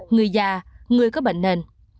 người già người có bệnh nền